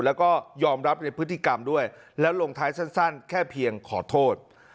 แล้วก็ยอมรับในพฤติกรรมด้วยแล้วลงท้ายสั้นแค่เพียงขอโทษ